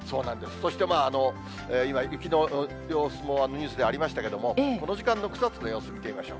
そして今、雪の様子もニュースでありましたけども、この時間の草津の様子、見てみましょう。